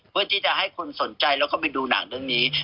เพื่อที่จะให้คนสนใจแล้วก็ไปดูหนังเรื่องนี้